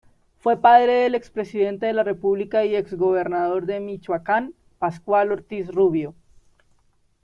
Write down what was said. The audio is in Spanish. Fue padre del expresidente de la república y exgobernador de Michoacán, Pascual Ortiz Rubio.